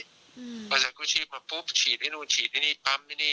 มอเตอร์ไซค์กู้ชีพมาปุ๊บฉีดนี่นู่นฉีดนี่นี่ปั๊มนี่นี่